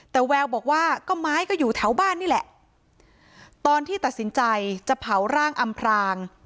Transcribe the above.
แต่แววบอกว่าก็ไม้ก็อยู่แถวบ้านนี่แหละตอนที่ตัดสินใจจะเผาร่างอำพราง